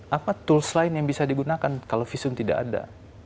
apa tools lain yang bisa digunakan kalau visum tidak ada